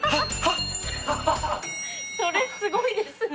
それすごいですね。